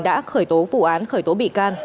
đã khởi tố vụ án khởi tố bị can